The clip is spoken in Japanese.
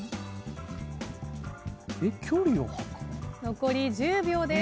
残り１０秒です。